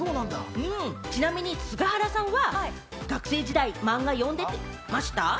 ちなみに菅原さんは学生時代、漫画読んでました？